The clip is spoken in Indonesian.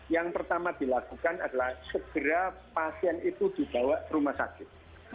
yang pertama dilakukan adalah segera pasien itu dibawa ke rumah sakit